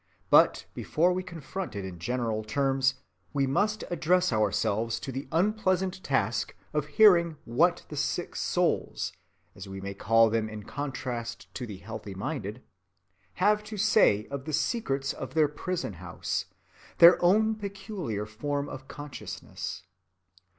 But before we confront it in general terms, we must address ourselves to the unpleasant task of hearing what the sick souls, as we may call them in contrast to the healthy‐minded, have to say of the secrets of their prison‐house, their own peculiar form of consciousness.